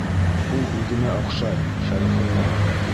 Ул үҙемә оҡшай, Шәрифулла ағай!